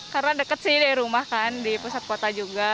karena dekat sih dari rumah kan di pusat kota juga